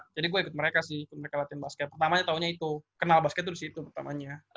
jadi gue ikut mereka sih ikut mereka latihan basket pertamanya taunya itu kenal basket tuh disitu pertamanya